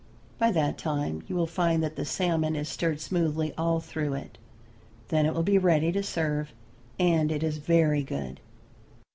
By that time you will find that the salmon is stirred smoothly all through it. Then it will be ready to serve, and it is very good.